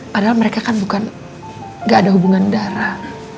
padahal mereka kan bukan gak ada hubungan darah